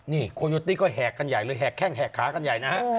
นี่โคโยตี้ก็แหกกันใหญ่เลยแหกแข้งแหกขากันใหญ่นะฮะ